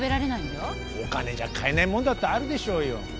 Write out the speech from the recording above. お金じゃ買えないもんだってあるでしょうよ。